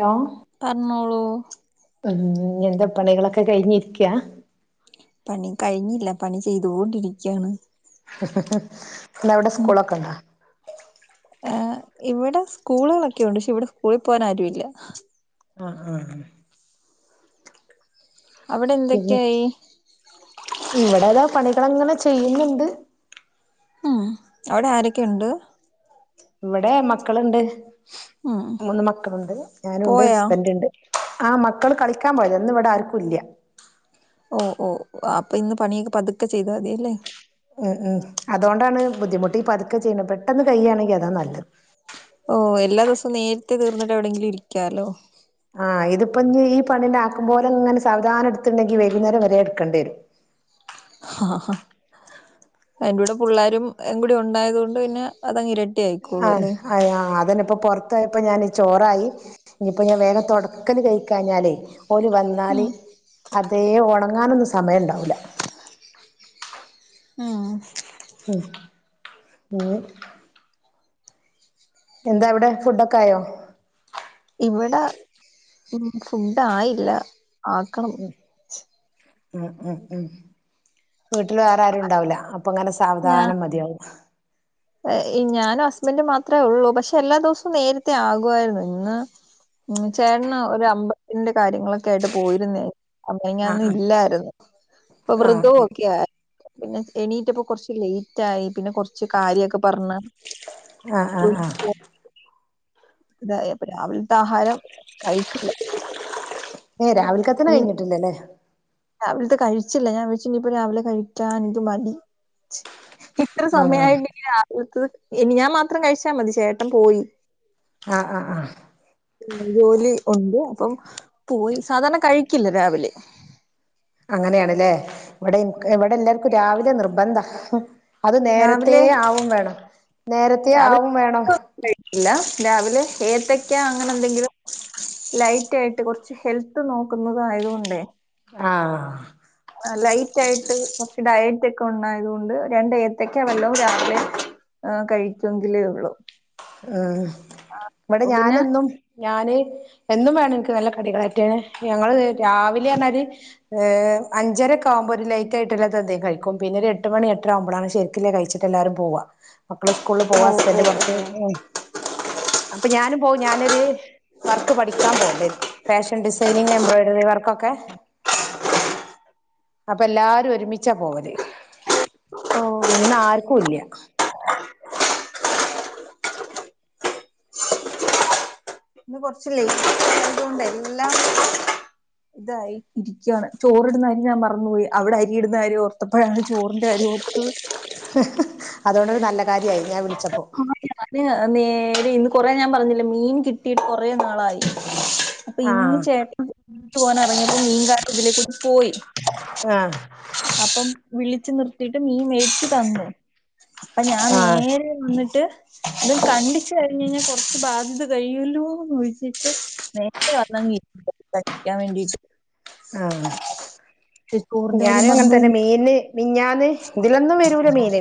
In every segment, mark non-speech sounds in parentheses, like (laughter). Hello പറഞ്ഞോളു ഉം എന്ത പണികളൊക്കെ കഴിഞ്ഞിരിക്കാ പണി കഴിഞ്ഞില്ല, പണി ചെയ്തൊണ്ടിരിക്കയാണ് ഇന്ന അവടെ സ്കൂളൊക്കെ ഉണ്ടോ? ഇവിടെ സ്കൂളുകളൊക്കെ ഉണ്ട് പക്ഷെ ഇവിടെ സ്കൂളിൽ പോകൻ ആരു ഇല്ല ആഹ് ആഹ് അവിടെഎന്തൊക്കെയായി ഇവിടതാ പണികൾങ്ങനെ ചെയ്യുന്നുണ്ട് ഉം അവിടെ ആരൊക്കെണ്ട്? ഇവിടെ മക്കളുണ്ട്, ഉം മൂന്ന് മക്കളുണ്ട് ഞാനുണ്ട് പോയാ ഹസ്ബൻറ് ഉണ്ട് ആ മക്കള് കളിക്കാൻ പോയതാ ഇന്ന് ഇവിടെ ആർക്കും ഇല്ല ഓഹ് ഓഹ് അപ്പൊ ഇന്ന് പണിയൊക്കെ പതുക്കെ ചെയ്താ മതിയല്ലേ ഉം ഉം അതുകൊണ്ടാണ് ബുദ്ധിമുട്ട് ഈ പതുക്കെ ചെയ്യണ് പെട്ടെന്ന് കയ്യാണെങ്കിൽ അതാ നല്ലത് ഓഹ് എല്ലാ ദിവസവും നേരത്തെ തീർന്നിട്ട് എവിടെയെങ്കിലും ഇരിക്കാലോ ആ ഇതിപ്പ ഇഞ് ഈ പണിനെ ആക്കംപോലെങ്ങനെ സാവധാനം എടുത്തുണ്ടെങ്കി വൈകുന്നേരം വരെ എടുക്കണ്ടി വരും ആ എന്റെകൂടെ പുള്ളാരും എ കൂടിണ്ടായതോണ്ട് പിന്നെ അതങ് ഇരട്ട ആഹ് അതാ അതെന്നെപ്പൊ പൊറത്തായപ്പോ ഞാന് ചോറായി ഇഞ്ഞ്പ്പൊ ഇഞ്ഞ് വേഗം തൊടക്കല് കഴിക്കാഞ്ഞാലേ ഓല് ഉം വന്നാല് അതേ ഒണങ്ങാനൊന്നും സമയണ്ടാവൂല ഉം ഉം ഉം എന്താ അവ്ടെ ഫുഡൊക്കായോ ഇവടെ ഫു ഫുഡായില്ല ആക്കണം ഉം ഉം ഉം വീട്ടില് വേറെ ആരുണ്ടാവുല അപ്പൊങ്ങനെ സാവധാനം മതിയാവും. ഏഹ് ഇ ഞാനും ഹസ്ബന്റും മാത്രേ ഒള്ളൂ പക്ഷെ എല്ലാ ദിവസവും നേരത്തെ ആകുവായിരുന്നു ഇന്ന് ഉം ചേട്ടന് ഒരു അമ്പത്തിന്റെ കാര്യങ്ങളൊക്കെ ആയിട്ട് പോയിരുന്നേ അമിഞാന്നും ആഹ് ആഹ് ഇല്ലായിരുന്നു അപ്പൊ ആഹ് വ്രതൊക്കെയ പിന്നെ എണീറ്റപ്പൊ കൊർച്ച് ലേറ്റ് ആയി പിന്നെ കൊർച്ച് കാര്യൊക്കെ പറഞ് ആഹ് ആഹ് ആഹ് ഇതായപ്പൊ രാവിൽത്തെ ആഹാരം കഴിച്ചില്ല ഏഹ് രാവിൽക്കത്തെനെ ഈ കഴിഞ്ഞിട്ടില്ലലേ? രാവിലത്തെ കഴിച്ചില്ല ഞാൻ വെച്ചു ഇപ്പ രാവിലെ കഴിക്കാ എനിക്ക് മടി ഇത്ര ആഹ് സമയായിട്ട് ഇനി രാവിൽത്തത് ഇനി ഞാൻ മാത്രം കഴിച്ചാൽ മതി ചേട്ടൻ പോയി ആഹ് ആഹ് ആഹ് ഉം ജോലി ഉണ്ട് അപ്പം പോയി സാധാരണ കഴിക്കില്ല രാവിലെ അങ്ങനെയാണല്ലേ ഇവിടെ ഇൻക് ഇവിടെ എല്ലാർക്കും രാവിലെ നിർബന്ധാ അത് നേരത്തേ രാവിലെ ആവും വേണം നേരത്തേ രാവിലെ ആവും വേണം കഴിക്കില്ല രാവിലെ ഏത്തക്കാ അങ്ങനെ എന്തെങ്കിലും ലൈറ്റായിട്ട് കൊർച്ച് ഹെൽത്ത് നോക്കുന്നത് ആയതു കൊണ്ടേ ആഹ് ലൈറ്റ് ആയിട്ട് കൊർച്ച് ഡയറ്റ് ഒക്കെ ഉണ്ടായത്കൊണ്ട് രണ്ട് ഏത്തക്കാ വെള്ളവും രാവിലെ ആഹ് കഴിക്കു എങ്കിലേ ഉള്ളൂ ആഹ് ഇവടെ അപ്പൊ പിന്നെ ഞാനെന്നും ഞാന് എന്നും വേണം എനിക്ക് നല്ല കടികളായിറ്റാണ് ഞങ്ങള് രാവിലെന്നർഞ്ഞാല് ഏഹ് അഞ്ചരക്കെ ആകുമ്പോ ഒരു ലയ്റ്റ് ആയിട്ടുള്ളതെന്തേ കഴിക്കും പിന്നെ ഒര് എട്ട്മണി എട്ടര ആവുമ്പളാണ് ശരി ക്ക്ല്ലെ കഴിച്ചിട്ട് എല്ലാരും പോവാ മക്കള് സ്കൂൾള് ഓ പോവാ ഓ ഹസ്ബന്റ് പൊർത്ത് ഓ ഉം അപ്പ ഞാനും പോവും ഞാനൊര് വർക്ക് പഠിക്കാൻ പോവ്ണ്ട് ഫാഷൻ ഡിസൈനിങ് എംബ്രോയിഡറി വർക്കൊക്കെ (unintelligible) അപ്പ എല്ലാരും ഒരുമിച്ചാ പോവല് ഓ ഇന്നാര്ക്കുല്ല. ഇന്ന് കൊറച്ച് ലെയ്റ്റായതോണ്ടെ എല്ലാം ഇതായി ഇരിക്കുകയാണ് ചോറിടുന്ന അരി ഞാൻ മറന്നുപോയി അവിടെ അരിയിടുന്നാര്യം ഓർത്ത പ്പോഴാണ് ചോറിന്റെ കാര്യം ഓർത്തത്. അതുകൊണ്ടൊരു നല്ല കാര്യായി ഞാൻ വിളിച്ചപ്പം അത് നേരെ ഇന്ന് കൊറേ ഞാൻ പറഞ്ഞില്ലേ മീൻ കിട്ടീട്ട് കൊറേ നാളായി അപ്പൊ ഇന്ന് ആഹ് ചേട്ടൻ (unintelligible) പോവാൻ എറങ്ങിയപ്പോ മീൻ കാരൻ ഇതിലേക്കൂടെ പോയി ആഹ് അപ്പം വിളിച്ചു നിർത്തിട്ട് മീൻ മേടിച്ചു തന്നു അപ്പൊ ഞാൻ ആഹ് നേരെ വന്ന്ട്ട് ഇത് കണ്ട് ചെ കഴിഞയിഞ്ഞ കൊറച്ച് ബാധ്യത കഴിയല്ലൂന്ന് ചോയിച്ചിട്ട് നേര്തെ വന്നങ്ങ് (unintelligible) ക്കാൻ വേണ്ടിട്ട് ആഹ് ഉം ഞാനും അങ്ങൻ തന്നെ മീന് മിഞ്ഞാന്ന് ഇതിലൊന്നും വരൂല മീന്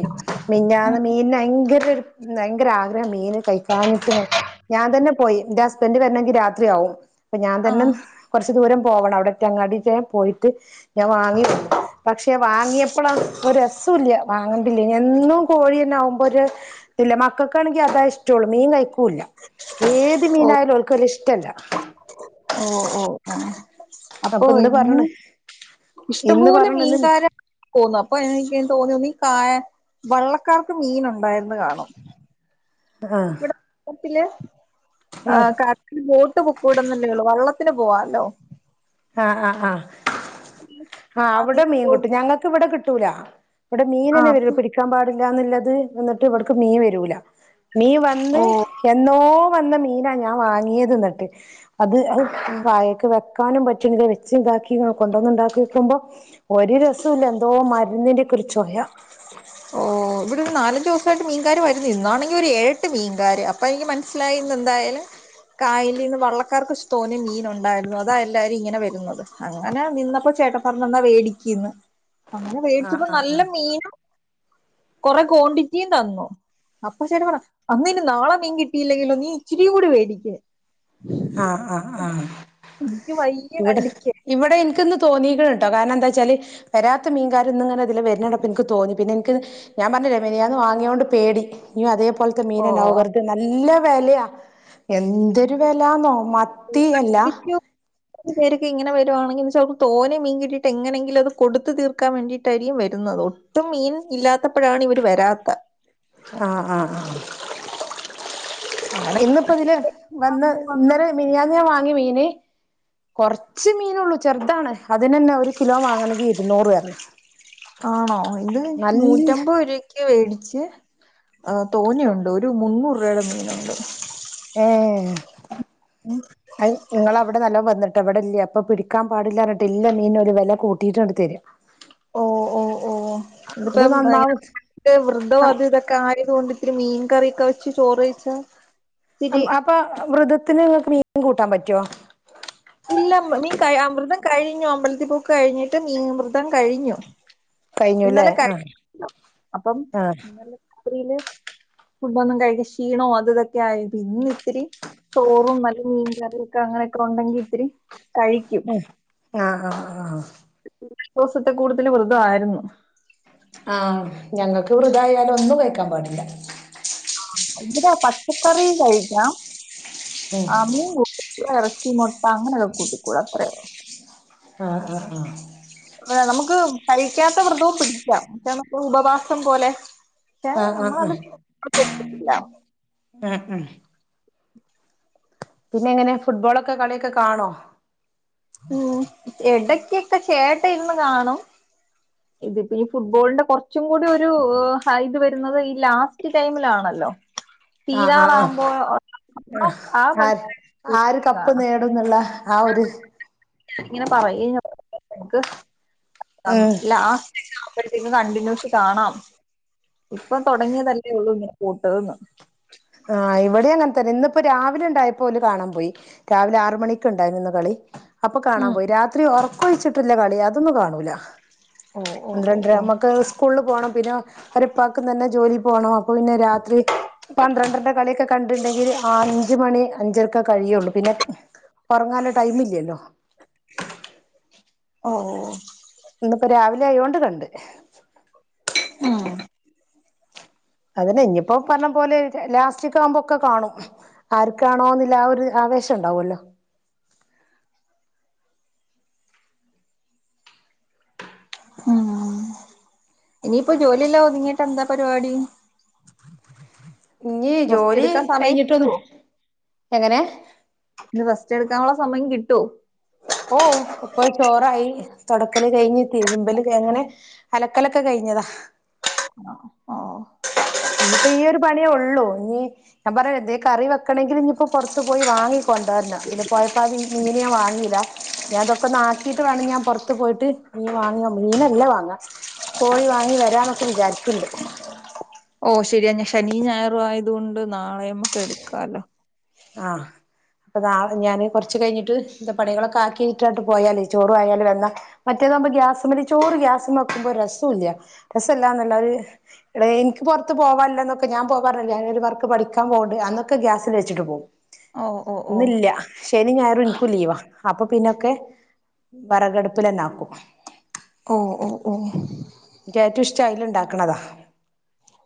മിഞ്ഞന്ന് മീൻ ഭയങ്കര ഒരു ഭയങ്കര ആഗ്രഹം മീന് കൈകാഞ്ഞിട്ടിങ്ങനെ ഞാൻ തന്നെ പോയി എന്റെ ഹസ്ബൻന്റ് വരണങ്കി രാത്രിയാവും അപ്പൊ ഞാൻ ആ തന്നെ കൊർച്ച് ദൂരം പോവണം അവിടെറ്റെ അങ്ങാടിറ്റെ പോയിട്ട് ഞാൻ വാങ്ങിവന്നു പക്ഷെ വാങ്ങിയപ്പോളാ ഒരു രസൊ ഇല്ല്യ വാങ്ങണ്ടില്ലേ എന്നും കോഴിന്നെ ആമ്പോ ഒരു ഇതിഇല്ല മക്കക്കാണെങ്കി അതാ ഇഷ്ടുള്ളൂ മീൻ കഴിക്കുല്ല ഏത് മീനായാലും ഓൽക്കത് ഇഷ് ടല്ല ഓഹ് ഓഹ് ആഹ് അപ്പോ അപ്പൊ ഇന്ന് ഏന്നും പറഞ്ഞ് ഇന്ന് ഇഷ്ടംപോലെ പറഞ്ഞ് ഇന്ന് മീൻകാര പോന്നു അപ്പൊ എനിക്ക് തോന്നി ഈ കായൽ വള്ളക്കാർക്ക് മീൻ ഉണ്ടായിരുന്നു കാണും ആഹ് വെള്ളത്തില് ആഹ് കട (unintelligible) ബോട്ട് പൊക്കൂടെന്നല്ലേ ഉള്ളൂ വള്ളത്തിന് പോവാല്ലോ ആഹ് ആഹ് ആഹ് ആ അവിടെ മീൻകിട്ടും ആ ഞങ്ങക്ക് ഇവിടെ കിട്ടൂല ഇവിടെ മീൻ തന്നെ വരൂ പിടിക്കാൻ പാടില്ലന്നുള്ളത് എന്നിട്ട് ഇവിടേക്ക് മീൻ വരൂല മീന് ഓ വന്ന് എന്നോ വന്ന മീനാ ഞാൻ വാങ്ങിയത് എന്നിട്ട് അത് അത് ഓ വായക്ക് വെക്കാനും പറ്റുന്നില്ല വെച്ച് ഇതാക്കി ഇയോ കൊണ്ടൊന്ന് ഉണ്ടാക്കിക്കുമ്പോ ഒരു രസൊഇല്ല എന്തോ മരുന്നിന്റെ ഒക്കെ ഒരു ചൊയ ഓഹ് ഇവിടെ ഒരു നാലഞ്ച് ദിവസയിട്ട് മീൻകാര് വരുന്നി ഇന്നാണെങ്കി ഒരു എഴ് ഏട്ട് മീൻകാര് അപ്പോ എനിക്ക് മനസ്സിലായി ഇന്ന് എന്തായാലും കായലിന്നു വള്ളക്കാർക്ക് തോന്നെ മീൻ ഉണ്ടായിരുന്നു അതാ എല്ലാരും ഇങ്ങനെ വരുന്നത് അങ്ങനെ നിന്നപ്പോ ചേട്ടൻ പറഞ്ഞു എന്നാ മേടിക്കിന്ന് (inaudible) അങ്ങനെ ആഹ് മേടിച്ചപ്പോ ആഹ് നല്ല മീനും കുറെ ക്വാണ്ടിറ്റി തന്നു അപ്പൊ ചേട്ടൻ പറഞ്ഞു അന്നാ ഇനി നാളെ മീൻ കിട്ടിയില്ലെങ്കിലോ നീ ഇച്ചിരി കൂടി മേടിക്കേ ആഹ് അഹ് അഹ് എനിക്ക് വയ്യ കണ്ടിട്ട് ഇവിടെ എനിക്കിന്ന് തോന്നികുണോട്ടോ കാരണം എന്താ വെച്ചാൽ വരാത്ത മീൻകാര് ഇന്ന് ഇങ്ങനെ ഇതിലെ വരുന്ന് കണ്ടപ്പം എനിക്ക് തോന്നി പിന്നെ എനിക്ക് ഞാൻ പറഞ്ഞില്ലേ മിനിഞ്ഞാന്ന് വാങ്ങിയോണ്ട് പേടി ഇനി അതേപോലത്തെ ഓ മീനണ്ടാവും വെറുതെ നല്ല വിലയാ എന്തൊരു വിലന്നോ മാ മത്തിക്കും (inaudible) ഇനി ചിലപ്പോ ഇങ്ങെനെ വരുവാണെകിൽ ഇനി തോന്നെ മീൻ കിട്ടിട്ട് എങ്ങെനെ എങ്കിലും അത് കൊടുത്ത് തീർക്കാൻ വേണ്ടീട്ടായിരിക്കും വരുന്നത് ഒട്ടും മീൻ ഇല്ലാത്തപ്പഴാണ് ഇവര് വരാത്തെ ആഹ് ആഹ് ആഹ് അങ്ങനെ ഇന്ന് ഇപ്പൊ ഇതില് വന്ന് ഇന്നലെ മിനിഞ്ഞാന്ന് ഞാൻ വാങ്ങിയ മീന് കൊറച്ച് മീനുള്ളൂ ചെറുതാണ് അതിനന്നെ ഒരു കിലോ വാങ്ങണെങ്കി ഇരുന്നൂറ് വരണം ആണോ ഇത് നൂറ്റമ്പത് ക്ക് വേടിച്ച് ആഹ് തോന്നെ ഉണ്ട് ഒരു മുന്നൂറ് രൂപടെ മീനുണ്ട് ഏഹ് അത് നിങ്ങളവിടെ നല്ലോം വന്നിട്ട ഇവിടെ ഇല്ലേ ഇപ്പൊ പിടിക്കാൻ പാടില്ലാഞ്ഞിട്ട് ഇല്ല മീന് ഓല് വില കൂട്ടിയിട്ട് തരും (inaudible) ഓഹ് ഓഹ് ഓഹ് അത് ഇതിപ്പോ നന്നാവും വൃതം അത് ഇതൊക്കെ ആയത് കൊണ്ട് ഇത്തിരി മീൻ കറിയൊക്കെ വെച്ച് ചോറ് വെയിച്ചേ അപ്പൊ വൃതത്തിന് നിങ്ങക്ക് മീൻ കൂട്ടാൻ പറ്റുമോ ഇല്ല മീൻ വൃതം കഴിഞ്ഞു അമ്പലത്തിൽ പോക്ക് കഴിഞ്ഞിട്ട് മീന് വൃതം കഴിഞ്ഞു കഴിഞ്ഞുല്ലേ ഇന്നലെ ആഹ് കഴിഞ്ഞു അപ്പൊ ആഹ് ഇന്നലെ രാത്രിയില് ക്കൊന്നും കഴിചില്ല ക്ഷീണം അത് ഇതൊക്കെ ആയി ഇന്ന് ഇത്തിരി ചോറും നല്ല മീൻകറൊക്കെ അങ്ങനെയൊക്കെ ഉണ്ടെങ്കിൽ ഇത്തിരി കഴിക്കും ആഹ് ആഹ് ആഹ് ആഹ് രണ്ട് ദിവസത്തിൽ കൂടുതൽ വൃ തമായിരുന്നു ആഹ് ഞങ്ങൾക്ക് വൃതായാലും ഒന്നും കഴിക്കാൻ പാടില്ല ഇവിടെ പച്ചക്കറി കഴിക്കാം ഉം ആ മീൻ കൂട്ടില്ല ഇറച്ചി മുട്ട അങ്ങനെക്കെ കൂട്ടികൂടാ അത്രയോള്ളൂ ആഹ് അഹ് ആഹ് നമുക്ക് കഴിക്കാത്ത വൃതവും പിടിക്കാം പക്ഷേ നമ്മക്ക് ഉപവാസം പോലെ ആഹ് ആഹ് ആഹ് ആഹ് നമ്മളത് എടുത്തിട്ടില്ല ഉം ഉം പിന്നെ എങ്ങനെ ഫുട്ബോളൊക്കെ കളിയൊക്കെ കാണോ ഉം ഇടക്കൊക്കെ ചേട്ട ഇരുന്ന് കാണും (unintelligible) ഇതിപ്പോ ഈ ഫുട്ബോളിന്റെ കുറച്ചും കൂടി ഒരു ഹൈദ് വരുന്നത് ഈ ലാസ്റ്റ് ടൈമിലാണല്ലോ ആ ആ ആ തീരാറാവുമ്പോ ആഹ ആ മത്സരം ആര് കപ്പ് നേടും ഇതാണ് നേടുന്നുള്ള ആ ഒരു ഇങ്ങനെ പറയ്ഞ്ഞു നമുക്ക് നം ഉം ഇല്ല ആഹ് അപ്പോഴത്തേക്കും കണ്ടിന്യൂസിൽ കാണാം ഇപ്പം തുടങ്ങിയതല്ലേ ഉള്ളൂ ഇങ്ങനെ കൂട്ടെന്ന് ആഹ ഇവിടെ അങ്ങനെ തന്നെ ഇന്നിപ്പോ രാവിലെ ഉണ്ടായപ്പോലും കാണാൻ പോയി രാവിലെ ആറ് മണിക്ക് ഉണ്ടായിരുന്നു കളി അപ്പൊ കാണാൻ ഉം പോയി രാത്രി ഉറക്കൊഴിച്ചിട്ടില്ല കളി അതൊന്നും കാണൂല ഓ ഓ ഓ പന്ത്രണ്ടര ഞമ്മക്ക് സ്കൂളിൽ പോകണം പിന്നെ അവരുടെ ഉപ്പാക്ക് തന്നെ ജോലി പോണം അപ്പൊ പിന്നെ രാത്രി പന്ത്രണ്ടരന്റെ കളിയൊക്കെ കണ്ടിട്ടുണ്ടെങ്കിൽ അഞ്ച് മണി അഞ്ചരക്കെ കഴിയുള്ളൂ പിന്നെ ഉറങ്ങാള്ള ടൈം ഇല്ലല്ലോ ഓഹ് ഇന്നിപ്പോ രാവിലെ ആയോണ്ട് കണ്ട് ഉം അതിനെ ഇനിയിപ്പോ പറഞ്ഞ പോലെ ലാസ്റ്റിക് ആവുമ്പൊക്കെ കാണും ആർക്കാണോ എന്നില്ല ആ ഒരു ആവേശം ഉണ്ടാവുമല്ലോ ഉം ഇനിയിപ്പോ ജോലിയെല്ലാം ഒതുങ്ങിട്ട് എന്താ പരിപാടി ഇനി റസ്റ്റ് ജോലി എടുക്കാൻ സമയം കഴിഞ്ഞിട്ട് ഒന്ന് കിട്ടുവോ എങ്ങനെ ഇനി റസ്റ്റ് എടുക്കാനുള്ള സമയം കിട്ടോ ഓ ഇപ്പൊ ചോറായി തൊടക്കല് കഴിഞ്ഞ് തിരുമ്പല് എങ്ങനെ അലക്കൽ ഒക്കെ കഴിഞ്ഞതാ ആഹ് ഇപ്പോ ഈയൊരു പണിയേ ഉള്ളൂ ഇനി ഞാൻ പറയാ എന്തേ കറി വെക്കണമെങ്കിൽ ഇനിയിപ്പോ പുറത്ത് പോയി വാങ്ങിക്കൊണ്ടു വരണം ഇതില് പോയപ്പോ ഇതിനിപ്പോ മീൻ വാങ്ങിയില്ല ഞ്ഞു അതൊക്കെ ഒന്ന് ആക്കിയിട്ട് വേണം ഞാൻ പുറത്ത് പോയിട്ട് മീൻ വാങ്ങാൻ, മീനല്ല വാങ്ങാ കോഴി വാങ്ങി വരാന്നൊക്കെ വിചാരിക്കണ്ട് ഓ ശരി ശനി ഞായറും ആയതു കൊണ്ട് നാളെയമ്മൊക്കെ എടുക്കാലോ ആഹ് ഇപ്പൊ നാളെ ഞാൻ കുറച്ചു കഴിഞ്ഞട്ട് പണികളൊക്കെ ആക്കിയിട്ട് അണ്ട് പോയാലേ ചോറും ആയാലും വെന്ന മറ്റേതാവുമ്പോ ഗ്യാസുമ്മൽ ചോറ് ഗ്യാസും വെക്കുമ്പോ രസം ഇല്ല രസല്ലാന്നല്ല, ഒരു എനിക്ക് പുറത്ത് പോവാല്ലന്നൊക്കെ ഞാൻ പോ പറഞ്ഞിലെ, ഞാൻ ഒരു വർക്ക് പഠിക്കാൻ പോകണ്ട് അന്നൊക്കെ ഗ്യാസിൽ വച്ചിട്ട് പോകും ഓ ഓ ഓ ഇന്നില്ല ശനി ഞായറും ഇനിക്കും ലീവാ അപ്പൊ പിന്നൊക്കെ വറകടുപ്പിൽ തന്നെ ആക്കും ഓഹ് ഓഹ് ഓഹ് എനിക്ക് ഏറ്റവും ഇഷ്ടം അയിൽ ഉണ്ടാക്കണതാ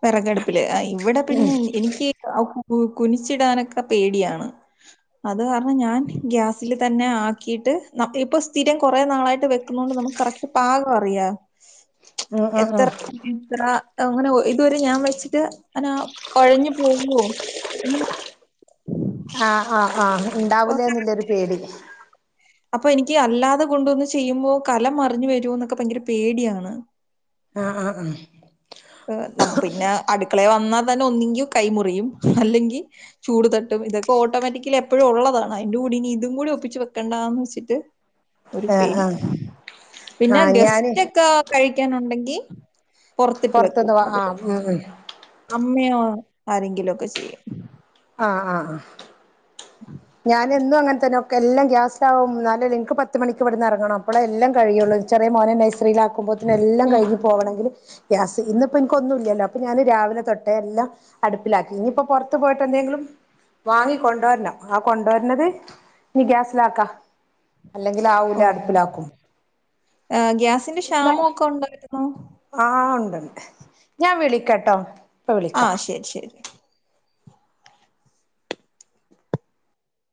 വിറകെടുപ്പില്, ആഹ് ഇവിടെ പിന്നെ എനിക്ക് കുനിച്ചിടാനൊക്കെ പേടിയാണ് അത് കാരണം ഞാൻ ഗ്യാസിൽ തന്നെ ആക്കിയിട്ട് ഇപ്പൊ സ്ഥിരം കുറെ നാളായിട്ട് വെ വെക്കുന്നു എന്നു പറഞ്ഞു നമുക്ക് കറക്റ്റ് പാകം അറിയാം (unintelligible) ഉം എത്ര ഉം എത്ര അങ്ങനെ പോയി ഇതുവരെ ഞാൻ വെച്ചിട്ട് അനാ കുഴഞ്ഞു പോവോ ആഹ് ആഹ് ആഹ് അപ്പൊ ഉണ്ടാവിലെ ന്നല്ലൊരു പേടി അപ്പൊ എനിക്ക് അല്ലാതെ കൊണ്ടു വന്ന് ചെയ്യുമ്പോ കലമറിഞ്ഞു വരോ എന്നൊക്കെ ഭയങ്കര പേടിയാണ് ആഹ് ആഹ് ഹ ന പിന്നെ അടുക്കളെ വന്നാൽ തന്നെ ഒന്നങ്കി കൈ മുറിയും അല്ലെങ്കിൽ ചൂട് തട്ടും ഇതൊക്കെ ഓട്ടോമാറ്റിക്കലി എപ്പോഴും ഉള്ളതാണ് അതിന്റെ കൂടനി ഇതും കൂടി ഒന്നിച്ചു വെക്കണ്ടന്ന് വെച്ചിട്ട് ഒരു ആഹ് പേടി ആഹ് പിന്നെ ആഹ് ഞാന് ഗസ്റ്റ് ഒക്കെ കഴിക്കാനുണ്ടെങ്കിൽ പുറത്തിട്ട് വെക്കും അഥവാ അത് ആഹ് അമ്മയോ ആരെങ്കിലൊക്കെ ചെയ്യും ആഹ് ആഹ് ആഹ് ഞാന് എന്നും അങ്ങനെ തന്നെ എല്ലാം ഗ്യാസിലാവും എന്നാലേ നിക്ക് പത്ത് മണിക്ക്‌ ഇവിടന്ന് ഇറങ്ങണം അപ്പോഴെ എല്ലാം കഴിയുള്ളൂ ചെറിയ മോനെ നൈസ്രീയിലാക്കുമ്പോത്തിന് എല്ലാം ഉം കഴിഞ് പോകണെങ്കിൽ ഗ്യാസ് ഇന്ന ഇപ്പോ എനിക്കൊന്നുംല്ലല്ലോ അപ്പൊ ഞാന് രാവിലെ തൊട്ടേ എല്ലാം അടുപ്പിലാക്കി, ഇനിയിപ്പോ പുറത്ത് പോയിട്ട് എന്തെങ്കിലും വാങ്ങി കൊണ്ടുവരണം ആഹ് കൊണ്ടുവര്നത് ഇനി ഗ്യാസിലാക്കാ ഓഹ് ഏഹ് ഗ്യാസിന് ക്ഷാമം ഒക്കെ ഉണ്ടായിര്ന്നോ ആഹ് ഉണ്ട്ണ്ട് ഞാൻ വിളിക്കട്ടോ ആഹ് ശരി ശരി